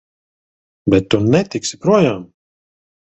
Bet tu netiksi projām!